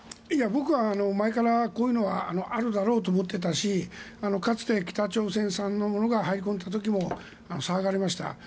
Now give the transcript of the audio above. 僕は前からこういうのはあるだろうと思っていたしかつて北朝鮮産のものが入り込んだ時も騒がれました。